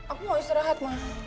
aku mau istirahat ma